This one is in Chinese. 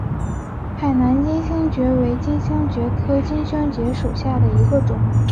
海南金星蕨为金星蕨科金星蕨属下的一个种。